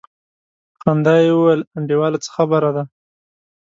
په خندا يې وويل انډيواله څه خبره ده.